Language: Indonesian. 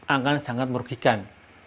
akan sangat merugikan